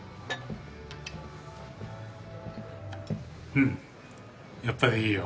うんやっぱりいいよ。